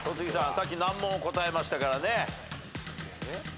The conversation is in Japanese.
さっき難問を答えましたからね。